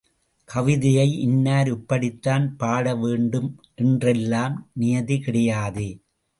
கவிதையை இன்னார் இப்படித்தான் பாட வேண்டும் என்றெல்லாம் நியதி கிடையாதே.